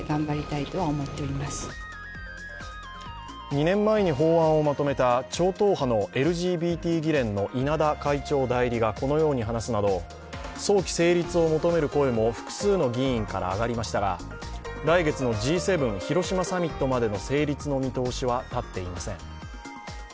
２年前に法案をまとめた超党派のＬＧＢＴ議連の稲田会長代理がこのように話すなど早期成立を求める声も複数の議員から上がりましたが、来月のＧ７広島サミットまでの成立の見通しは立っていません。